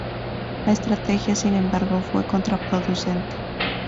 La estrategia sin embargo fue contraproducente.